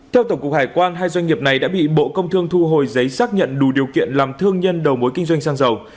theo tổng cục hải quan hai doanh nghiệp này đã bị bộ công thương thu hồi giấy xác nhận đủ điều kiện làm thương nhân đầu mối kinh doanh xăng dầu